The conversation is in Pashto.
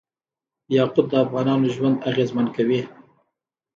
یاقوت د افغانانو ژوند اغېزمن کوي.